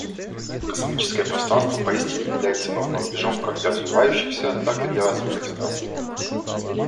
Космическое пространство поистине является новым рубежом как для развивающихся, так и для развитых стран.